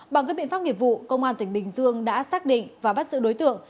bằng các biện pháp nghiệp vụ công an tỉnh bình dương đã xác định và bắt giữ đối tượng